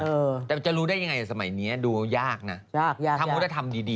เออแต่จะรู้ได้ยังไงสมัยเนี้ยดูยากน่ะยากยากยากทำคุณธรรมดีดี